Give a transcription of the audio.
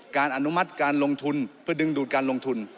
อนุมัติการลงทุนเพื่อดึงดูดการลงทุน